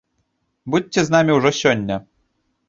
Будзьце з намі ўжо сёння!